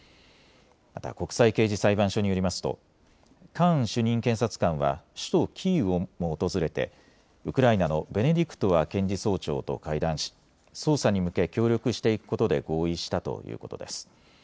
また国際刑事裁判所によりますとカーン主任検察官は首都キーウも訪れてウクライナのベネディクトワ検事総長と会談し捜査に向け協力していくことで合意したということです。